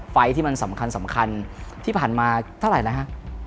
ไฟล์ที่มันสำคัญที่ผ่านมาเท่าไหร่แล้วฮะ